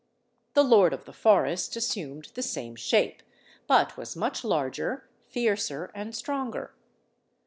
The "Lord of the Forests" assumed the same shape; but was much larger, fiercer, and stronger.